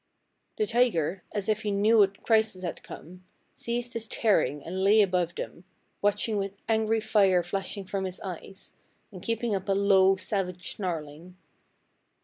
"The tiger, as if he knew a crisis had come, ceased his tearing and lay above them, watching with angry fire flashing from his eyes, and keeping up a low, savage snarling.